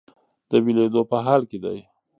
د ویلیدو په حال کې دی.